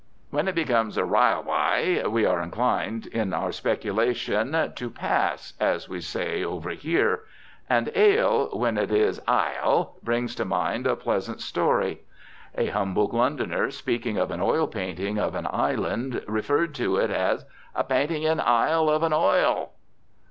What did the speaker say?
When it becomes a "rilewie" we are inclined, in our speculation, "to pass," as we say over here. And ale, when it is "ile," brings to mind a pleasant story. A humble Londoner, speaking of an oil painting of an island, referred to it as "a painting in ile of an oil."